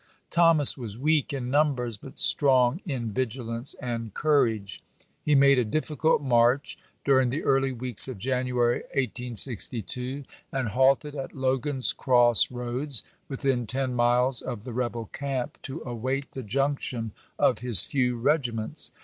Thomas was weak in numbers, but strong in vigilance and com*age. He made a difficult march during the early weeks of January, 1862, and halted at Logan's Cross Roads, within ten miles of the rebel camp, to await the junction of his few regiments.